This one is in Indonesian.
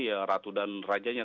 ya ratu dan rajanya